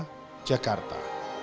rendy putrama jakarta